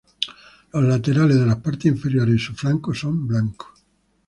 Los laterales de las partes inferiores y sus flancos son blancos.